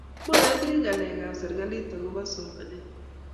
Mayoni ngalek ab serkalit akoba somanet